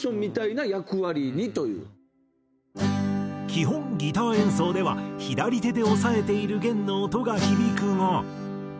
基本ギター演奏では左手で押さえている弦の音が響くが。